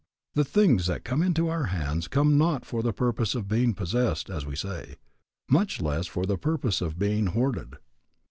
The things that come into our hands come not for the purpose of being possessed, as we say, much less for the purpose of being hoarded.